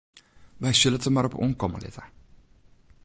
Wy sille it der mar op oankomme litte.